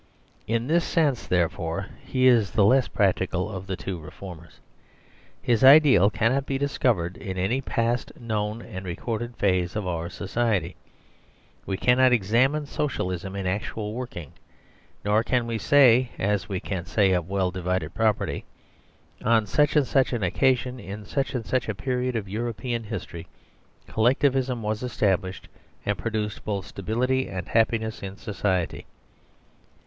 In this sense, there fore, he is the less practical of the two reformers. His ideal cannot be discovered in any past, known, and recorded phase of our society. We cannot examine Socialism in actual working, nor can we say (as we can say of well divided property): "On such andsuch an occasion, in such and such a period of European history, Collectivism was established and produced both stability and happiness in society."